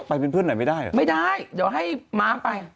ไปเป็นเพื่อนไหนไม่ได้เหรอไม่ได้เดี๋ยวให้ม้ามไป